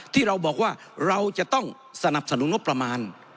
ที่เราบอกว่าเราจะต้องสนับสนุนงบประมาณ